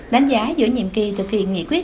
đánh giá giữa nhiệm kỳ thực hiện nghị quyết